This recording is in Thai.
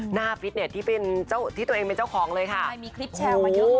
หน้าออกแรงสร้างเฮรือที่ตัวเองเป็นเจ้าของเลย